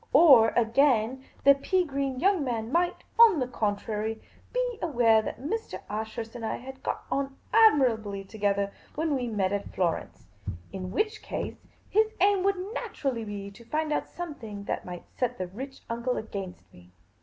Or, again, the pea green young man migUt, on the contrary, be aware that Mr. Ashurst and I had got on admirably together when we met The Pea Green Patrician 213 at Florence ; in which case his aim would naturally be to find out something that might set the rich uncle against me.